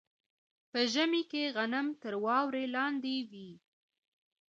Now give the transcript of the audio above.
په ژمي کې غنم تر واورې لاندې وي.